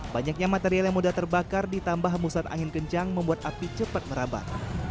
banyaknya material yang mudah terbakar ditambah hembusan angin kencang membuat api cepat merambat